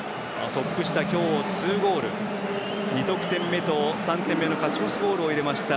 トップ下、今日２ゴール２得点目と３点目の勝ち越しゴールを入れました